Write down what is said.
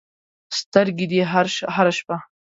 سترګې دې هره شپه